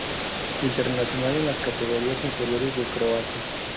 Internacional en las categorías inferiores de Croacia.